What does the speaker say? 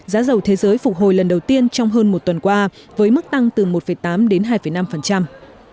giá dầu thế giới phục hồi lần đầu tiên trong hơn một tuần qua với mức tăng từ một tám đến hai năm